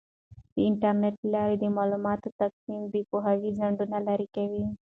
د انټرنیټ له لارې د معلوماتو تقسیم د پوهې خنډونه لرې کوي.